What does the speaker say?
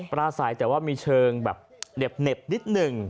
ปลาใสแต่ว่ามีเชิงแบบเหน็บนิดหนึ่ง